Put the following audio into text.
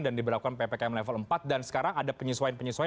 dan diberlakukan ppkm level empat dan sekarang ada penyesuaian penyesuaian